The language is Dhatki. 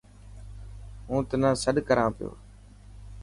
هون تنا سڏ ڪران پيو.